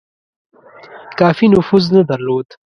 کافي نفوذ نه درلود.